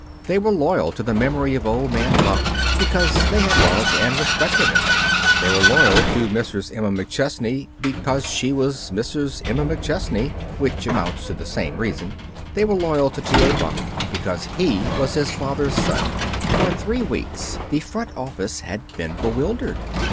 They were loyal to the memory of old man Buck, because they had loved and respected him. They were loyal to Mrs. Emma McChesney, because she was Mrs. Emma McChesney (which amounts to the same reason). They were loyal to T. A. Buck, because he was his father's son. For three weeks the front office had been bewildered.